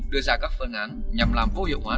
đưa ra các phương án nhằm làm vô hiệu hóa